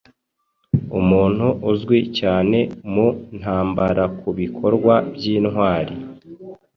Umuntu uzwi cyane mu ntambarakubikorwa byintwari